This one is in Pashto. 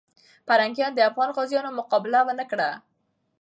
پرنګیان د افغان غازیو مقابله ونه کړه.